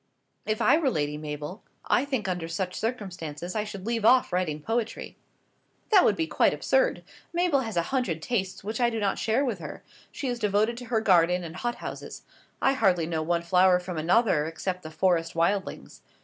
"If I were Lady Mabel, I think under such circumstances I should leave off writing poetry." "That would be quite absurd. Mabel has a hundred tastes which I do not share with her. She is devoted to her garden and hot houses. I hardly know one flower from another, except the forest wildlings.